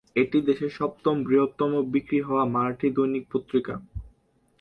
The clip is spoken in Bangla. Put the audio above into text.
এটি দেশের সপ্তম বৃহত্তম বিক্রি হওয়া মারাঠি দৈনিক পত্রিকা।